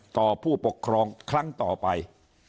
ผู้ปกครองครั้งต่อไป